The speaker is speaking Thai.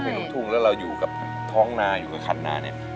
จ้างถูงถูงแล้วเราอยู่กับท้องน่าอยู่กับคันน่าเนี้ยมันเข้ากัน